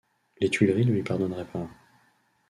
Les Tuileries ne lui pardonneraient pas.